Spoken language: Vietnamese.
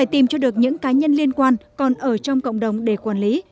tìm cho được những cá nhân liên quan còn ở trong cộng đồng để quản lý